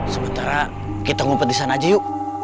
sementara kita ngumpet disana aja yuk